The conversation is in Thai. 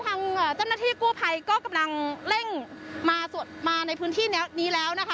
ทางเจ้าหน้าที่กู้ภัยก็กำลังเร่งมาในพื้นที่นี้แล้วนะคะ